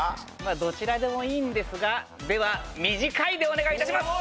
どちらでもいいんですがでは「みじかい」でお願い致します。